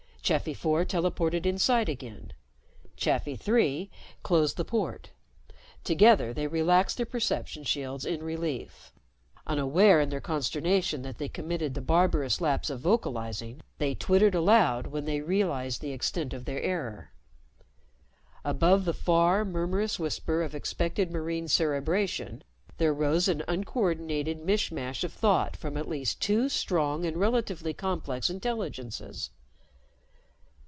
Chafi Four teleported inside again. Chafi Three closed the port. Together they relaxed their perception shields in relief Unaware in their consternation that they committed the barbarous lapse of vocalizing, they twittered aloud when they realized the extent of their error. Above the far, murmurous whisper of expected marine cerebration there rose an uncoordinated mishmash of thought from at least two strong and relatively complex intelligences.